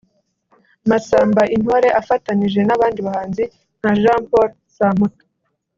Masamba Intore afatanije n’abandi bahanzi nka Jean Paul Samputu